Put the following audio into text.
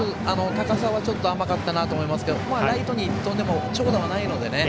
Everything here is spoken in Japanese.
高さはちょっと甘かったなと思いますけどライトに飛んでも長打はないのでね。